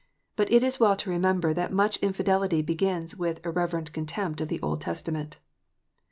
But it is well to remember that much infidelity begins with irreverent contempt of the Old Testa ment.